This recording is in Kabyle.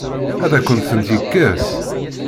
Ad akent-tent-yekkes?